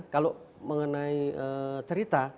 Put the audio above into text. kalau mengenai cerita